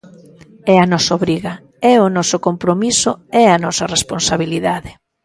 É a nosa obriga, é o noso compromiso, é a nosa responsabilidade.